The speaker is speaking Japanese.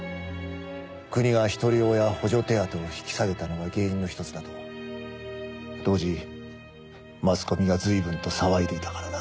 国が一人親補助手当を引き下げたのが原因の１つだと当時マスコミが随分と騒いでいたからな。